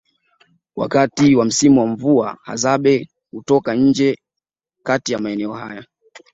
Wakati wa msimu wa mvua Hadzabe hutoka nje kati ya maeneo haya